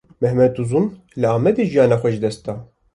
Mehmet Uzun, li Amedê jiyana xwe ji dest da